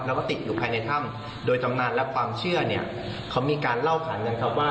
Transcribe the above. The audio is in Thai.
แล้วก็ติดอยู่ภายในถ้ำโดยตำนานและความเชื่อเนี่ยเขามีการเล่าผ่านกันครับว่า